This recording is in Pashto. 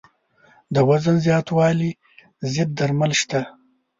د وزن زیاتوالي ضد درمل شته.